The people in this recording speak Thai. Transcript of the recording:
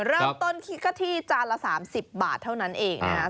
เริ่มต้นกะทิจานละ๓๐บาทเท่านั้นเอง